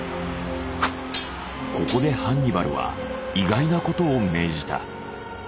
ここでハンニバルは意外なことを命じた。